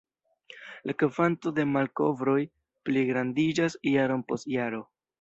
La kvanto de malkovroj pligrandiĝas jaron post jaro.